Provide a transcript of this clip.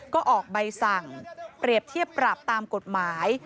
ก็ออกใบสั่งเปรียบเทียบปรับตามกฎหมาย